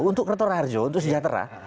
untuk retora harjo untuk sejahtera